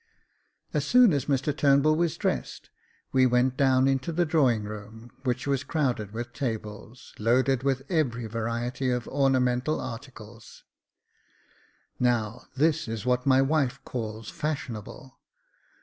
As soon as Mr Turnbull was dressed, we went down into the drawing room, which was crowded with tables, loaded with every variety of ornamental articles. " Now this is what my wife calls fashionable.